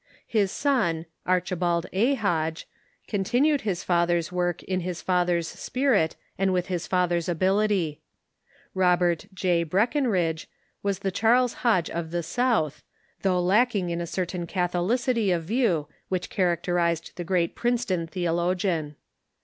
His son, Archibald A. Hodge, continued his father's work in his father's spirit and with his father's ability. Roberc J. Breckenridge was the Charles Hodge of the South, though lacking in a cer tain catholicity of view which characterized the great Prince ton theologian.